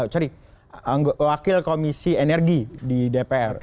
sorry wakil komisi energi di dpr